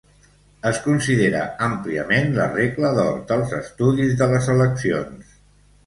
Es considera àmpliament la "regla d'or" dels estudis de les eleccions.